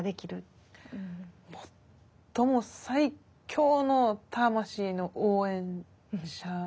最も最強の魂の応援者。